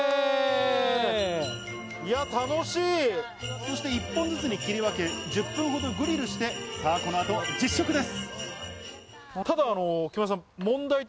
そして１本ずつに切り分け、１０分ほどグリルして、この後、実食です。